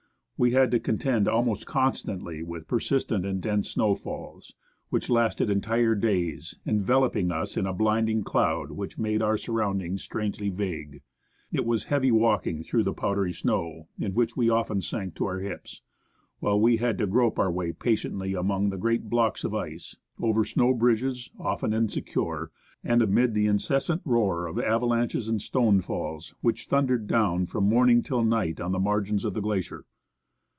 We had to contend almost constantly with persistent and dense snow falls, which lasted entire days, enveloping us in a blinding cloud that made our surroundings strangely vague. It was heavy walking through the powdery snow, in which we often sank to our hips, while we had to grope our way patiently among the great blocks of ice, over snow bridges, often insecure, and 128 NEWTON GLACIER amid the incessant roar of avalanches and stone falls which thun dered down from morning till night on the margins of the glacier.